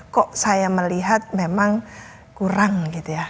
kok saya melihat memang kurang gitu ya